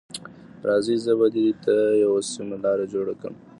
راځئ، زه به دې ته یوه سمه لاره جوړه کړم.